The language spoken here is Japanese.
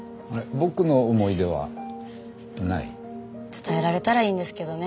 伝えられたらいいんですけどね